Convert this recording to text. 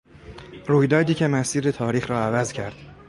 رویدادی که مسیر تاریخ را عوض کرد